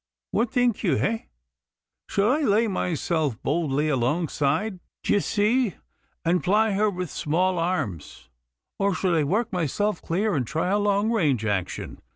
What think ye, heh? Should I lay myself boldly alongside, d'ye see, and ply her with small arms, or should I work myself clear and try a long range action?